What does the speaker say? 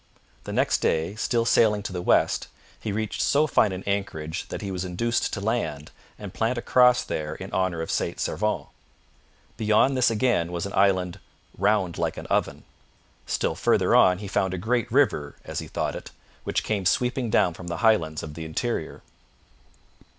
The next day, still sailing to the west, he reached so fine an anchorage that he was induced to land and plant a cross there in honour of St Servan. Beyond this again was an island 'round like an oven.' Still farther on he found a great river, as he thought it, which came sweeping down from the highlands of the interior.